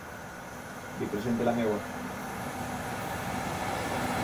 Li presento la meva.